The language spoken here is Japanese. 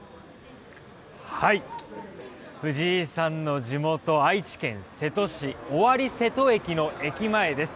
藤井さんの地元愛知県瀬戸市尾張瀬戸駅の駅前です。